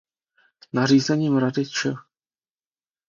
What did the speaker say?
Nařízením Rady č.